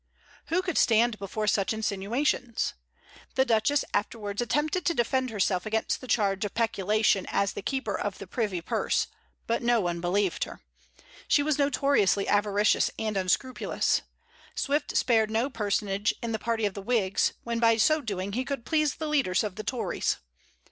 Who could stand before such insinuations? The Duchess afterwards attempted to defend herself against the charge of peculation as the keeper of the privy purse; but no one believed her. She was notoriously avaricious and unscrupulous. Swift spared no personage in the party of the Whigs, when by so doing he could please the leaders of the Tories.